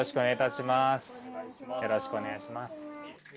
よろしくお願いします。